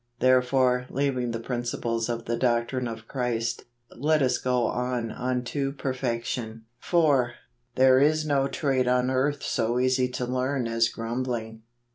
" Therefore leaving the principles of the doctrine of Christ , let us go on unto perfection ." 73 74 JULY. 4. There is no trade on earth so easy to learn as grumbling.